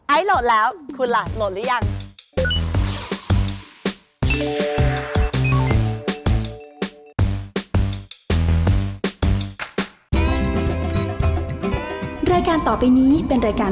โหลดแล้วคุณล่ะโหลดหรือยัง